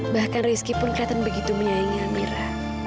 bahkan rizky pun kelihatan begitu menyayangi mira